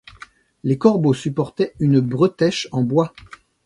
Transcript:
Les corbeaux supportaient une bretèche en bois.